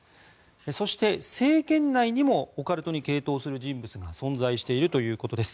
そして、政権内にもオカルトに傾倒する人物が存在しているということです。